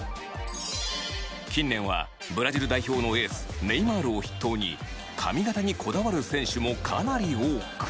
近年はブラジル代表のエースネイマールを筆頭に髪形にこだわる選手もかなり多く。